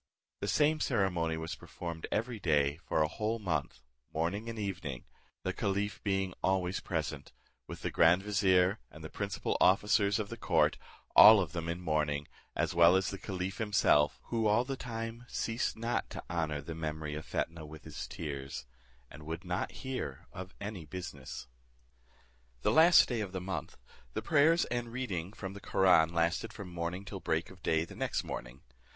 The same ceremony was performed every day for a whole month, morning and evening, the caliph being always present, with the grand vizier, and the principal officers of the court, all of them in mourning, as well as the caliph himself, who all the time ceased not to honour the memory of Fetnah with his tears, and would not hear of any business. The last day of the month, the prayers and reading of the Koraun lasted from morning till break of day the next morning.